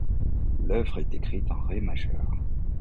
L'œuvre est écrite en ré majeur.